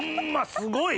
すごい！